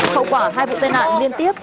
hậu quả hai vụ tai nạn liên tiếp